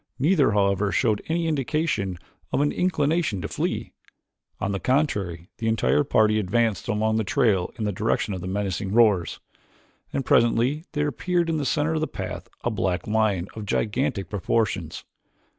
Neither, however, showed any indication of an inclination to flee; on the contrary the entire party advanced along the trail in the direction of the menacing roars, and presently there appeared in the center of the path a black lion of gigantic proportions.